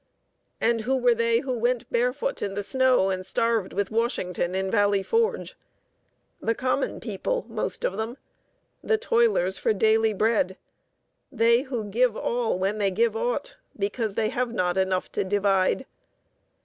And who were they who went barefoot in the snow and starved with Washington in Valley Forge? The common people, most of them, the toilers for daily bread, they who give all when they give aught, because they have not enough to divide.